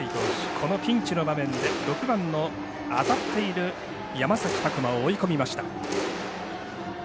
このピンチの場面で６番の当たっている山崎琢磨を追い込みました。